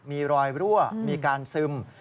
มีรอยรั่วมีการซึม